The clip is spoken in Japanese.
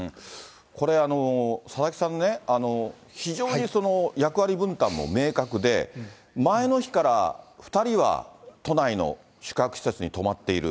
これ、佐々木さんね、非常に役割分担も明確で、前の日から２人は都内の宿泊施設に泊まっている。